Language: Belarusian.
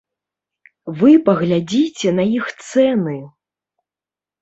Вы паглядзіце на іх цэны!